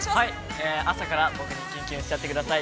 ◆朝から僕にきゅんきゅんしちゃってください。